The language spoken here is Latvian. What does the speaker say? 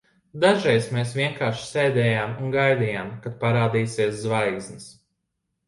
Dažreiz mēs vienkārši sēdējām un gaidījām, kad parādīsies zvaigznes.